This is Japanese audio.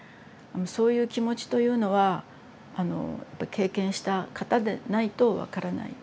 そういう気持ちというのはあの経験した方でないと分からない。